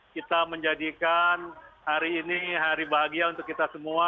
kita menjadikan hari ini hari bahagia untuk kita semua